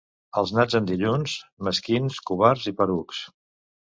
Els nats en dilluns, mesquins, covards i porucs.